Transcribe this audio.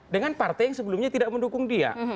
dengan partai yang sebelumnya tidak mendukung dia